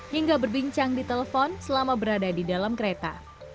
hingga berbincang di telepon selama berada di dalam kereta